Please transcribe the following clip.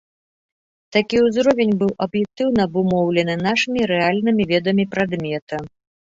Такі ўзровень быў аб'ектыўна абумоўлены нашымі рэальнымі ведамі прадмета.